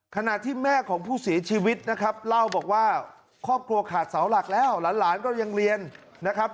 ขณะที่แม่ของผู้เสียชีวิตนะครับเล่าบอกว่าครอบครัวขาดเสาหลักแล้วหลานก็ยังเรียนนะครับ